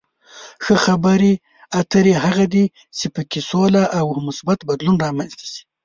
ښه خبرې اترې هغه دي چې په کې سوله او مثبت بدلون رامنځته شي.